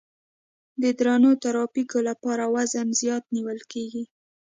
د درنو ترافیکو لپاره وزن زیات نیول کیږي